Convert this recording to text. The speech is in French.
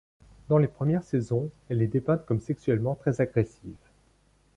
Dans les premières saisons, elle est dépeinte comme sexuellement très agressive.